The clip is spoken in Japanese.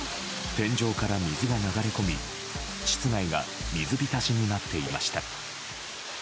天井から水が流れ込み室内が水浸しになっていました。